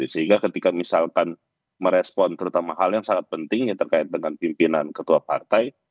sehingga ketika misalkan merespon terutama hal yang sangat penting yang terkait dengan pimpinan ketua partai